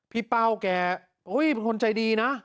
พี่เป้าแกโอ้ยเป็นคนใจดีนะ